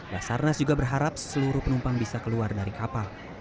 basarnas juga berharap seluruh penumpang bisa keluar dari kapal